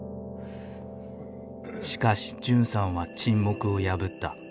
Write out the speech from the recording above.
しかし純さんは沈黙を破った。